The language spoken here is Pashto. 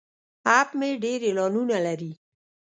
اپ مې ډیر اعلانونه لري.